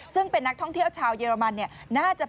ซึ่งเป็นนักท่องเที่ยวชาวเยอรมันน่าจะเป็น